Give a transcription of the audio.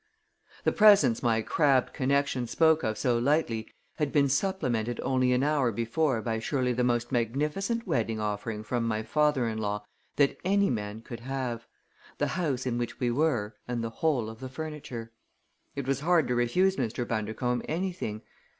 The presents my crabbed connection spoke of so lightly had been supplemented only an hour before by surely the most magnificent wedding offering from my father in law that any man could have the house in which we were and the whole of the furniture. It was hard to refuse Mr. Bundercombe anything.